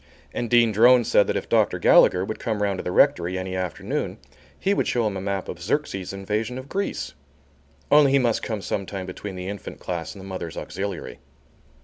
And Dean Drone said that if Dr. Gallagher would come round to the rectory any afternoon he would show him a map of Xerxes' invasion of Greece. Only he must come some time between the Infant Class and the Mothers' Auxiliary.